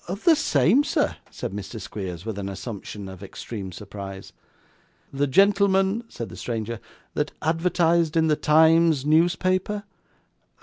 'The same, sir,' said Mr. Squeers, with an assumption of extreme surprise. 'The gentleman,' said the stranger, 'that advertised in the Times newspaper?